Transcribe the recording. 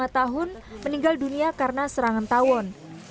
lima tahun meninggal dunia karena serangan tawon